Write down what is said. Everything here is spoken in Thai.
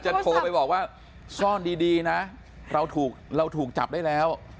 โทรไปบอกว่าซ่อนดีนะเราถูกจับได้แล้ว